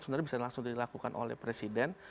sebenarnya bisa langsung dilakukan oleh presiden